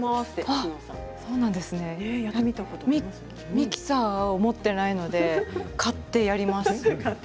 ミキサーを持っていないので買ってやります。